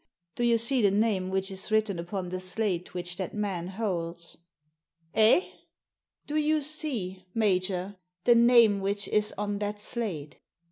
" Do you see the name which is written upon the slate which that man holds ?" "Eh?" "Do you see, major, the name which is on that slate?"